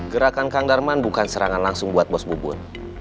gerakan kang darman bukan serangan langsung buat bos bubun